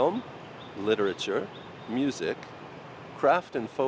là sự tham gia của thành phố